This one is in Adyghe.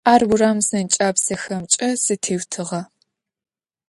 Ар урам зэнкӏабзэхэмкӏэ зэтеутыгъэ.